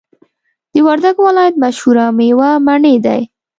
د وردګو ولایت مشهوره میوه مڼی دی